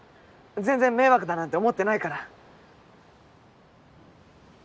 全然迷惑だなんて思ってないから。